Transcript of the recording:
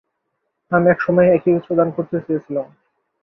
আমি এক সময়ে একে কিছু দান করতে চেয়েছিলুম।